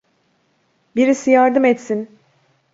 Birisi yardım etsin!